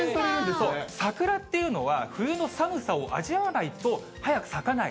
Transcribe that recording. そう、桜っていうのは、冬の寒さを味わわないと早く咲かない。